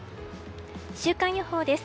週間予報です。